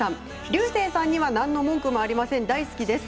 竜星さんには何の文句もありません、大好きです。